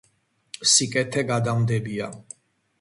სიკეთე გადამდებია